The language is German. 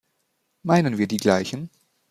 Meinen wir die gleichen?